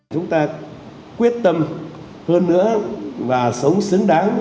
chúng ta quyết tâm hơn nữa và sống xứng đáng